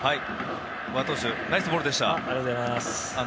和田投手ナイスボールでした。